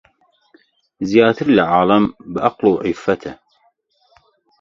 زیاتر لە عالەم بە عەقڵ و عیففەت